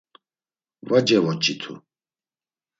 Va cevoç̌itu.